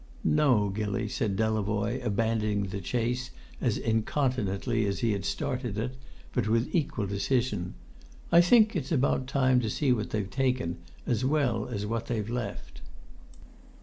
"No, Gilly," said Delavoye, abandoning the chase as incontinently as he had started it, but with equal decision; "I think it's about time to see what they've taken, as well as what they've left."